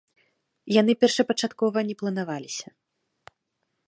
Яны першапачаткова не планаваліся.